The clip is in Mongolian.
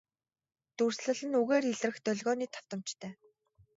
Дүрслэл нь үгээр илрэх долгионы давтамжтай.